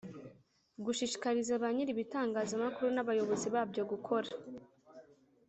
Gushishikariza ba nyir ibitangazamakuru n abayobozi babyo gukora